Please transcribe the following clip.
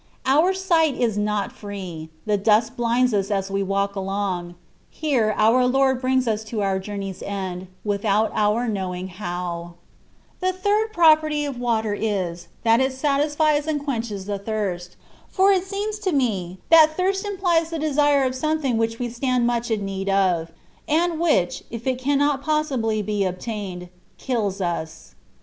Our sight is not free ; the dust blinds us as we walk along ; here our Lord brings us to our joumey^s end, without our knowing how» The third property of water is, that it^tisfies and quenches the thirst ; for it seems to me, that thirst implies the desire of a something which we stand much in need of, and which, if it cannot possibly be obtained, kills us.